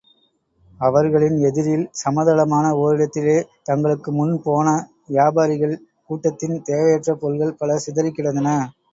அவர்களின் எதிரில், சமதளமான ஓரிடத்திலே, தங்களுக்கு முன் போன வியாபாரிகள் கூட்டத்தின் தேவையற்ற பொருள்கள் பல சிதறிக்கிடந்தன.